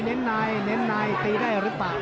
โหเน้นไนตีได้หรือเปล่า